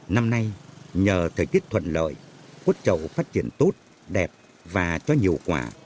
năm nay nhờ thời kết thuận lợi quất chậu phát triển tốt đẹp và cho nhiều quả